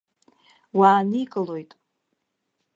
Уааникылоит.